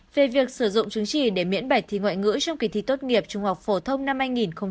về việc sử dụng chứng chỉ để miễn bạch thí ngoại ngữ trong kỳ thi tốt nghiệp trung học phổ thông năm hai nghìn hai mươi